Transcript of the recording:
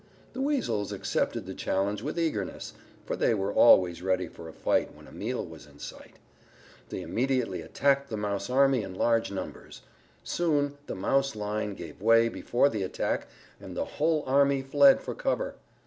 The Weasels accepted the challenge with eagerness, for they were always ready for a fight when a meal was in sight. They immediately attacked the Mouse army in large numbers. Soon the Mouse line gave way before the attack and the whole army fled for cover.